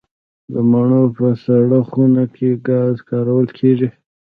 د مڼو په سړه خونه کې ګاز کارول کیږي؟